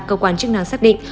cơ quan chức năng xác định